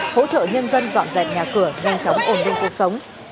hỗ trợ nhân dân dọn dẹp nhà cửa nhanh chóng ổn định cuộc sống